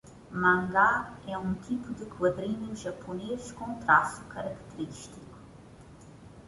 Mangá é um tipo de quadrinho japonês com traço característico